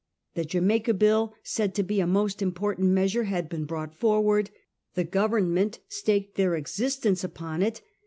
The Jamaica Bill, said to be a most im portant measure, had been brought forward. The Government staked their existence upon it.